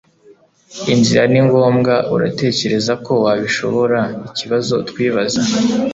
Inzira ni ngombwa Uratekereza ko wabishoboraikibazo twibaza